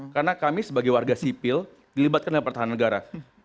karena kami sebagai warga sipil dilibatkan dengan pertahanan negara